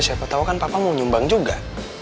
siapa tau kan papa mau nyumbang juga